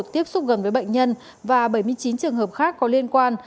tiếp xúc gần với bệnh nhân và bảy mươi chín trường hợp khác có liên quan